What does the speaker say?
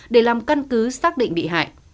để làm căn cứ xác định bị hại